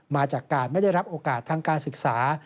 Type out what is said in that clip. มาจากการไม่ได้รับโอกาสทางการศึกษา